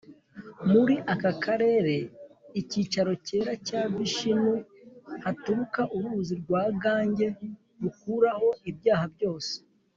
“muri aka karere [icyicaro cyera cya vishinu] haturuka uruzi rwa gange rukuraho ibyaha byose